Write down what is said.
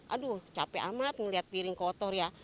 aduh capek amat ngeliat piring kotor ya